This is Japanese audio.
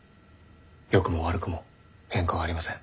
良くも悪くも変化はありません。